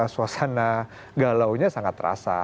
suasana galau nya sangat terasa